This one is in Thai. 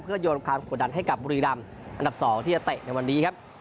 โยนความกดดันให้กับบุรีรำอันดับ๒ที่จะเตะในวันนี้ครับ